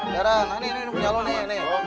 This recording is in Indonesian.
deren ini punya lo nih